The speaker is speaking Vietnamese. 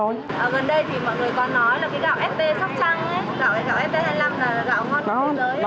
ở gần đây thì mọi người còn nói là cái gạo st sóc trăng gạo st hai mươi năm là gạo ngon nhất thế giới